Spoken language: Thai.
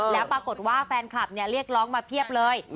แล้วปรากฏว่าแฟนคลับเรียกร้องมาเพียบเลย